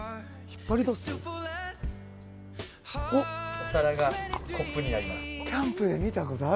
お皿がコップになります。